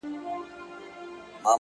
سترگي مي ړندې سي رانه وركه سې ـ